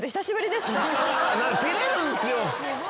照れるんすよ。